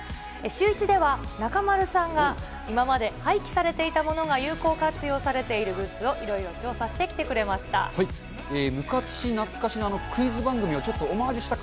シューイチでは、中丸さんが今まで廃棄されていたものが有効活用されているグッズをいろいろ調査してきてくれました。